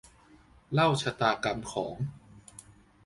เล่าชะตากรรมของ